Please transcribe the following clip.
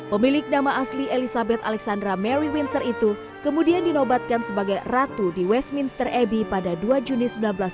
pemilik nama asli elizabeth alexandra mary windsor itu kemudian dinobatkan sebagai ratu di westminster abbey pada dua juni seribu sembilan ratus sembilan puluh